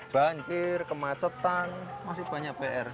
banjir kemacetan masih banyak pr